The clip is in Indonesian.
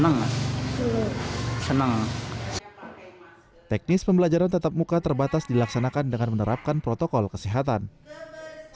mereka bisa kembali belajar meski jam pelajaran dan jumlah teman sekelas dibatasi setengahnya